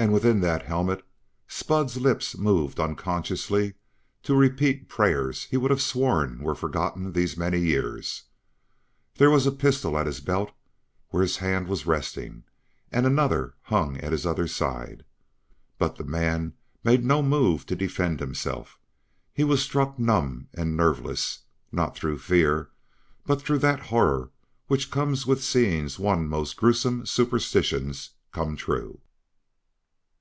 And, within that helmet, Spud's lips moved unconsciously to repeat prayers he would have sworn were forgotten these many years. There was a pistol at his belt where his hand was resting; another hung at his other side. But the man made no move to defend himself; he was struck numb and nerveless, not through fear, but through that horror which comes with seeing one's most gruesome superstitions come true.